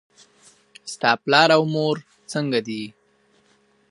ستا پلار او مور څنګه دي؟